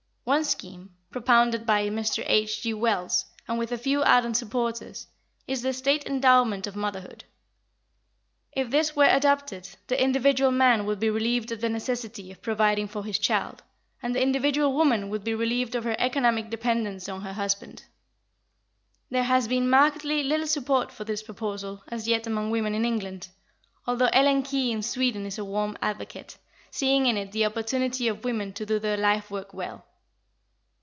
One scheme, propounded by Mr. H. G. Wells, and with a few ardent supporters, is the State endowment of motherhood. If this were adopted, the individual man would be relieved of the necessity of providing for his child, and the individual woman would be relieved of her economic dependence on her husband. There has been markedly little support for this proposal as yet among women in England, although Ellen Key in Sweden is a warm advocate, seeing in it the opportunity of women to do their life work well.